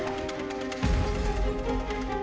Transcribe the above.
saya permisi pak saya akan datang